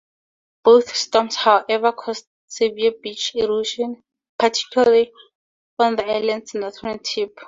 Both storms however caused severe beach erosion, particularly on the islands northern tip.